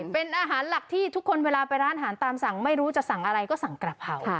เป็นอาหารหลักที่ทุกคนเวลาไปร้านอาหารตามสั่งไม่รู้จะสั่งอะไรก็สั่งกระเพรา